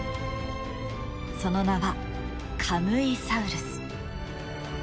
その名はカムイサウルス。